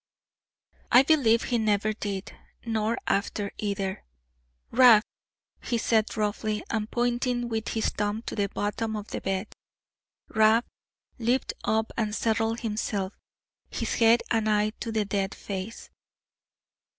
I believe he never did; nor after either. "Rab!" he said roughly, and pointing with his thumb to the bottom of the bed. Rab leaped up, and settled himself; his head and eye to the dead face.